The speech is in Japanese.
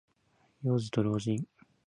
幼子と老人。